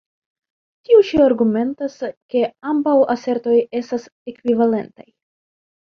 Tiu ĉi argumentas, ke ambaŭ asertoj estas ekvivalentaj.